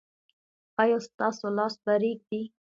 ایا ستاسو لاس به ریږدي؟